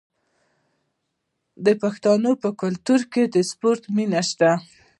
د پښتنو په کلتور کې د سپورت مینه شته.